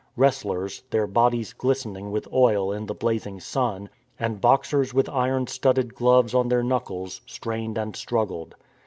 Wrestlers, their bodies glistening with oil in the blazing sun, and boxers with iron studded gloves on their knuckles, strained and struggled.